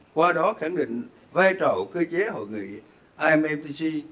qua đó khẳng định vai trò cơ chế hội nghị immtc